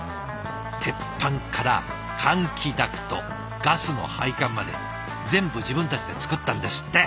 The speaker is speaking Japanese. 鉄板から換気ダクトガスの配管まで全部自分たちで作ったんですって。